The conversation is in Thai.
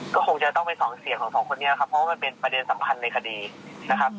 ก็คงจะต้องไปสองเสียงของสองคนนี้ครับเพราะว่ามันเป็นประเด็นสำคัญในคดีนะครับ